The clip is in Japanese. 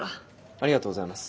ありがとうございます。